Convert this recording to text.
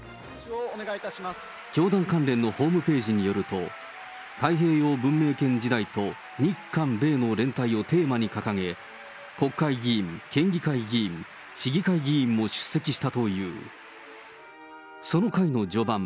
教団関連のホームページによると、太平洋文明圏時代と日韓米の連帯をテーマに掲げ、国会議員、県議会議員、市議会議員も出席したという。